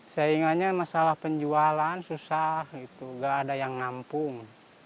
seinganya masalah penjualan susah gak ada yang ngampung